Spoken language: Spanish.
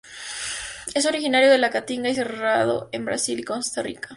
Es originario de la Caatinga y Cerrado en Brasil, y Costa Rica.